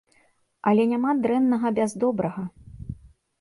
Але няма дрэннага без добрага!